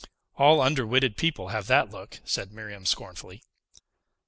"All underwitted people have that look," said Miriam scornfully.